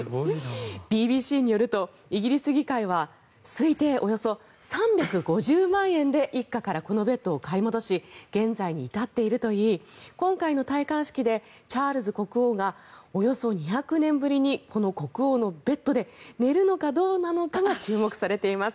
ＢＢＣによると、イギリス議会は推定およそ３５０万円で一家からこのベッドを買い戻し現在に至っているといい今回の戴冠式でチャールズ国王がおよそ２００年ぶりにこの国王のベッドで寝るのかどうなのかが注目されています。